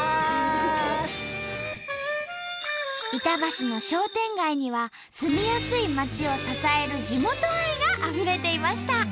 板橋の商店街には住みやすい街を支える地元愛があふれていました。